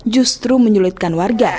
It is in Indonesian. justru menyulitkan warga